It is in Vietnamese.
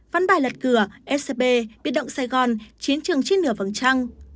văn bài lật cửa scb biết động sài gòn chiến trường chiến nửa vắng trăng